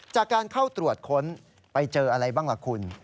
จากการเข้าตรวจค้นไปเจออะไรบ้างล่ะคุณ